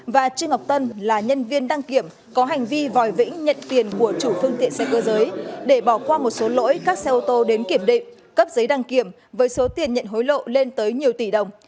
và trương ngọc tân là nhân viên đăng kiểm có hành vi vòi vĩnh nhận tiền của chủ phương tiện xe cơ giới để bỏ qua một số lỗi các xe ô tô đến kiểm định cấp giấy đăng kiểm với số tiền nhận hối lộ lên tới nhiều tỷ đồng